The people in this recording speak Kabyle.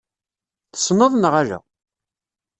Tesneḍ neɣ ala?